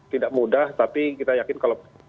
tidak mudah tapi kita yakin kalau